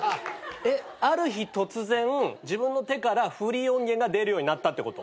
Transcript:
ある日突然自分の手からフリー音源が出るようになったってこと？